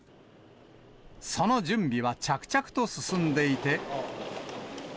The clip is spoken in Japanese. その準備は着々と進んでいて。